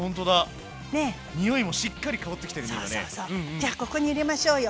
じゃここに入れましょうよ。